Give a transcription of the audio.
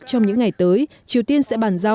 trong những ngày tới triều tiên sẽ trả trả